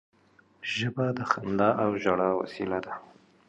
ژبه د خندا او ژړا وسیله ده